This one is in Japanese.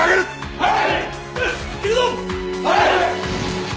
はい！